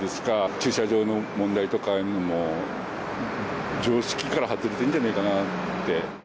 駐車場の問題とかでも常識から外れてんじゃねぇかなって。